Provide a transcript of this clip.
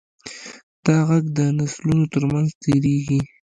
دا غږ د نسلونو تر منځ تېرېږي.